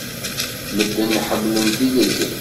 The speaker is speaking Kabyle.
Medden ḥemmlen tilelli.